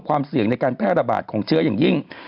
ความเสี่ยงในการแพร่ระบาดของเชื้ออย่างยิ่ง